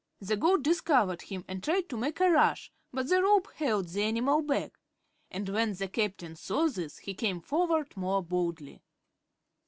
The goat discovered him and tried to make a rush, but the rope held the animal back and when the Captain saw this he came forward more boldly.